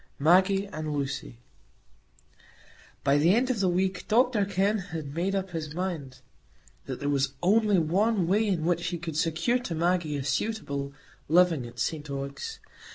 Maggie and Lucy By the end of the week Dr Kenn had made up his mind that there was only one way in which he could secure to Maggie a suitable living at St Ogg's.